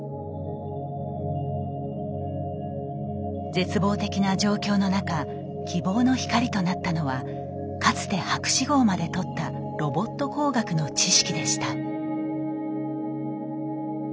絶望的な状況の中希望の光となったのはかつて博士号まで取ったロボット工学の知識でした。